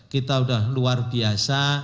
kita sudah luar biasa